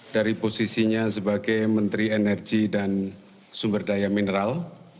dari posisinya sebagai menteri energi dan sumber daya mineral